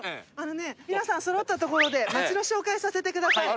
皆さん揃ったところで町の紹介をさせてください。